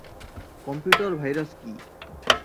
Computer virus কি।